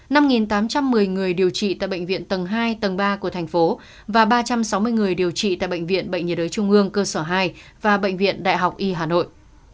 năm tám trăm một mươi người điều trị tại bệnh viện tầng hai tầng ba của thành phố và ba trăm sáu mươi người điều trị tại bệnh viện bệnh nhiệt đới trung ương cơ sở hai và bệnh viện đại học y hà nội